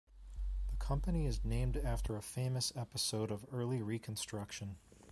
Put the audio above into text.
The company is named after a famous episode of early Reconstruction.